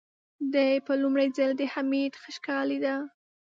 دې په لومړي ځل د حميد خشکه لېده.